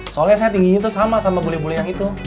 soalnya tingginya tuh sama sama bule bule yang itu